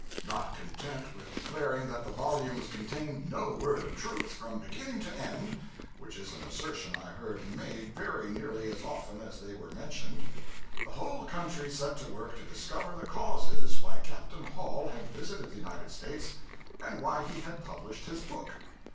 Not content with declaring that the volumes contained no word of truth, from beginning to end (which is an assertion I heard made very nearly as often as they were mentioned), the whole country set to work to discover the causes why Captain Hall had visited the United States, and why he had published his book.